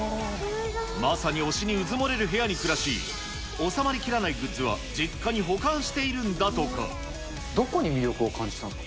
まさに推しにうずもれる部屋に暮らし、収まりきらないグッズは、どこに魅力を感じたんですか。